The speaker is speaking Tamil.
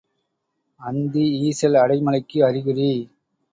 அந்தி ஈசல் அடை மழைக்கு அறிகுறி.